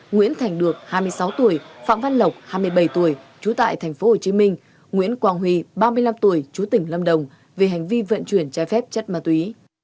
nguyễn thành được hai mươi sáu tuổi phạm văn lộc hai mươi bảy tuổi trú tại tp hcm nguyễn quang huy ba mươi năm tuổi chú tỉnh lâm đồng về hành vi vận chuyển trái phép chất ma túy